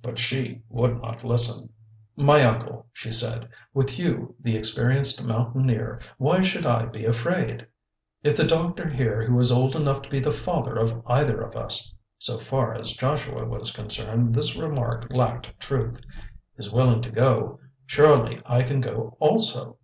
But she would not listen. "My uncle," she said, "with you, the experienced mountaineer, why should I be afraid? If the Doctor here, who is old enough to be the father of either of us" (so far as Joshua was concerned this remark lacked truth), "is willing to go, surely I can go also?